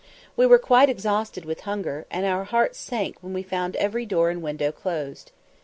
We were quite exhausted with hunger, and our hearts sank when we found every door and window closed.